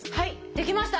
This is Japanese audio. できました！